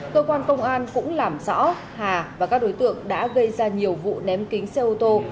cơ quan công an cũng làm rõ hà và các đối tượng đã gây ra nhiều vụ ném kính xe ô tô